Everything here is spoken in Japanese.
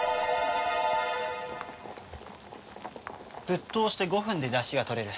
沸騰して５分でだしが取れる。